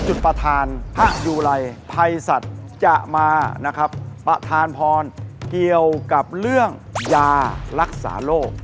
ประธานพระยูไลภัยสัตว์จะมานะครับประธานพรเกี่ยวกับเรื่องยารักษาโรค